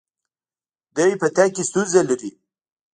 دی په تګ کې ستونزه لري.